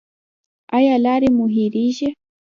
ایا لارې مو هیریږي؟